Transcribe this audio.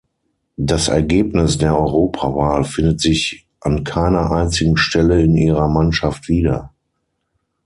Das Ergebnis der Europawahl findet sich an keiner einzigen Stelle in Ihrer Mannschaft wieder.